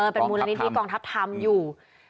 เป็นมูลนิธิกองทัพธรรมอยู่